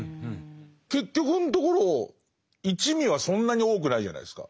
結局のところ一味はそんなに多くないじゃないですか。